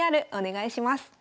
お願いします。